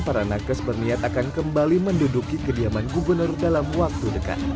para nakes berniat akan kembali menduduki kediaman gubernur dalam waktu dekat